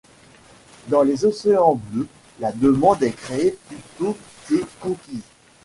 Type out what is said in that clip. Dans les océans bleus, la demande est créée plutôt que conquise.